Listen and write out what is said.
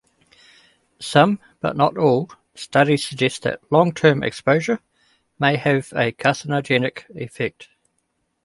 Some, but not all, studies suggest that long-term exposure may have a carcinogenic effect.